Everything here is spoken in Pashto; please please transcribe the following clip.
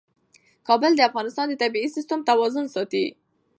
کابل د افغانستان د طبعي سیسټم توازن ساتي.